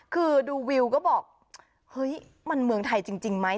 คือดูวิวก็บอกเฮ้ยมันเมืองไทยจริงไหม